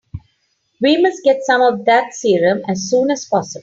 We must get some of that serum as soon as possible.